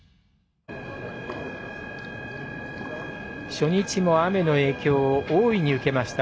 初日も雨の影響を大いに受けました